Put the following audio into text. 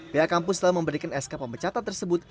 pihak kampus telah memberikan sk pemecatan tersebut